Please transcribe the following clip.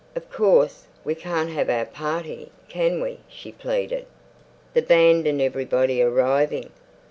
"Of course, we can't have our party, can we?" she pleaded. "The band and everybody arriving.